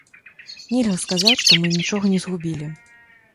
Нельга сказаць, што мы нічога не згубілі.